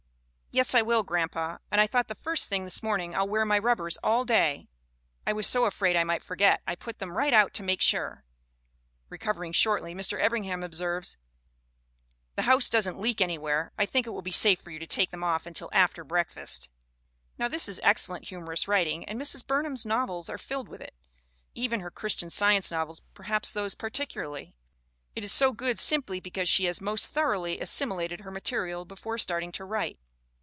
" 'Yes, I will, grandpa ; and I thought the first thing this morning, I'll wear my rubbers all day. I was so afraid I might forget I put them right on to make sure.' Recovering shortly Mr. Evringham observes: " The house doesn't leak anywhere. I think it will be safe for you to take them off until after break fast/ " Now this is excellent humorous writing and Mrs. Burnham's novels are filled with it, even her Christian Science novels, perhaps those particularly; it is so good simply because she has most thoroughly assimi lated her material before starting to write.